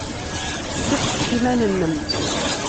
Ssixfef iman-nnem!